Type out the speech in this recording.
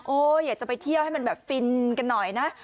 อยากจะไปเที่ยวให้มันแบบฟินกันหน่อยนะ